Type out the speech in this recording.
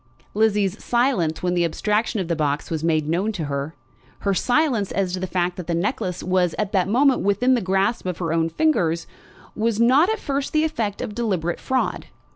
Lizzie's silence when the abstraction of the box was made known to her, her silence as to the fact that the necklace was at that moment within the grasp of her own fingers, was not at first the effect of deliberate fraud.